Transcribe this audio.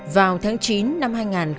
vào tháng chín năm hai nghìn một mươi một